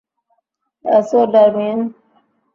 আসো, ডেমিয়েন!